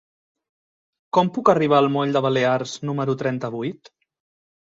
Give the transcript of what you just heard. Com puc arribar al moll de Balears número trenta-vuit?